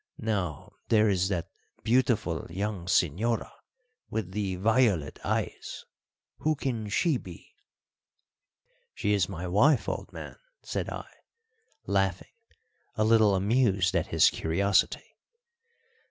Now, there is that beautiful young señora with the violet eyes, who can she be?" "She is my wife, old man," said I, laughing, a little amused at his curiosity.